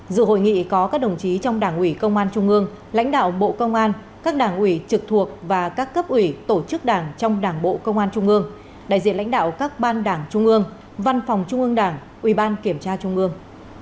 dự hội nghị có các đồng chí trong đảng ủy công an trung ương lãnh đạo bộ công an các đảng ủy trực thuộc và các cấp ủy tổ chức đảng trong đảng bộ công an trung ương đại diện lãnh đạo các ban đảng trung ương văn phòng trung ương đảng ủy ban kiểm tra trung ương